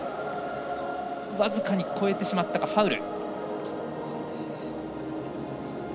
僅かに越えてしまったかファウル。